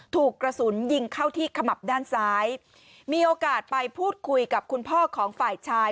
ถูกกระสุนยิงเข้าที่ขมับด้านซ้ายมีโอกาสไปพูดคุยกับคุณพ่อของฝ่ายชาย